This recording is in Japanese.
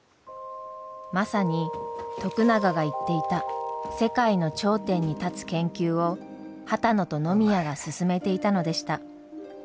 まさに徳永が言っていた世界の頂点に立つ研究を波多野と野宮が進めていたのでした。